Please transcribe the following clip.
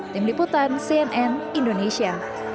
tim liputan cnn indonesia